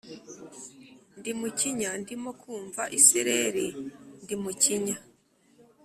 ndi mukinya, ndimo kumva isereri ndi mukinya,